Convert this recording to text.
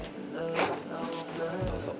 どうぞ。